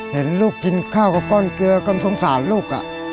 เห็นลูกกินข้าวกับก้อนเกลือก็สงสารลูก